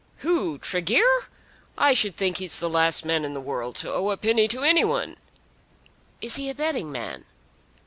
"Who? Tregear? I should think he's the last man in the world to owe a penny to any one." "Is he a betting man?"